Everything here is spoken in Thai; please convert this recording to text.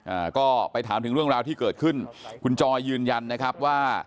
อ่าก็ไปถามถึงเรื่องราวที่เกิดขึ้นคุณจอยยืนยันนะครับว่า